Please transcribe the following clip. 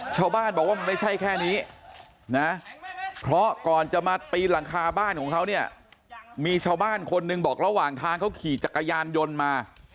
ชาวบ้านบอกว่ามันไม่ใช่แค่นี้นะเพราะก่อนจะมาปีนหลังคาบ้านของเขาเนี่ยมีชาวบ้านคนหนึ่งบอกระหว่างทางเขาขี่จักรยานยนต์มา